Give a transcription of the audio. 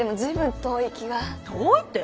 遠いって？